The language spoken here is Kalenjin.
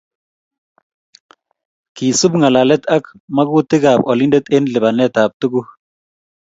Kisub ngalalet ak mgatutikab olindet eng lipanetab tuguk